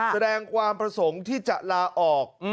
แสดงความประสงค์ที่จะลาออก